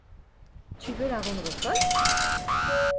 Tu veux la rendre folle?